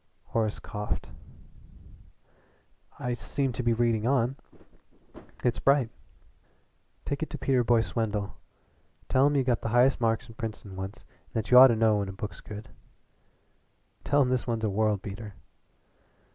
Horace coughed. "I seem to be reading on. It's bright." "Take it to Peter Boyce Wendell. Tell him you got the highest marks in Princeton once and that you ought to know when a book's good. Tell him this one's a world beater."